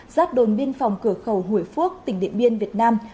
giáp đồn biên phòng cửa khẩu hủy phước tỉnh điện biên việt nam